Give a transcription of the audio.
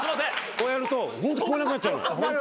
こうやるとホント聞こえなくなっちゃうのよ。